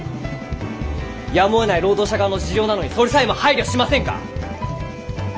やむをえない労働者側の事情なのにそれさえも配慮しませんか？